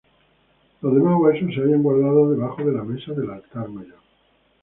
Los demás huesos se hallan guardados debajo de la mesa del altar mayor.